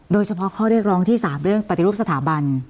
โดยเฉพาะข้อเรียกร้องที่๓เรื่องปฏิรูปสถาบัน